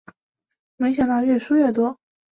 没想到越输越多